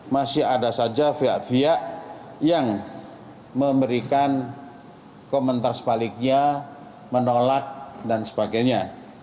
masih ada saja pihak pihak yang memberikan komentar sebaliknya menolak dan sebagainya